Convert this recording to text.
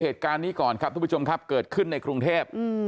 เหตุการณ์นี้ก่อนครับทุกผู้ชมครับเกิดขึ้นในกรุงเทพ